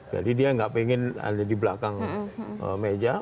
jadi dia nggak pengen ada di belakang meja